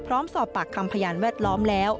พร้อมสอบปากคำพยานแวดล้อมแล้ว